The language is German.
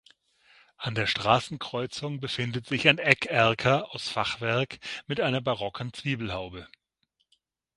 An der Straßenkreuzung befindet sich ein Eckerker aus Fachwerk mit einer barocken Zwiebelhaube.